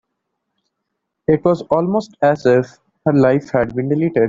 It was almost as if her life had been deleted.